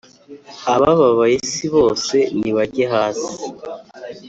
abababaye si bose nibajye hasi